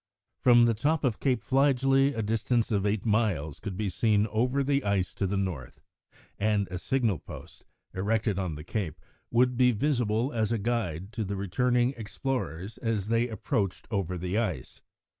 From the top of Cape Fligely a distance of eight miles could be seen over the ice to the north, and a signal post, erected on the cape, would be visible as a guide to the returning explorers as they approached over the ice.